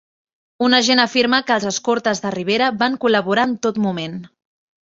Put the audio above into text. Un agent afirma que els escortes de Rivera van col·laborar en tot moment